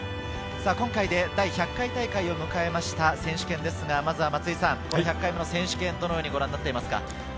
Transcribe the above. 今回で第１００回大会を迎えました選手権ですが、まずは１００回目の選手権、どのようにご覧になっていますか？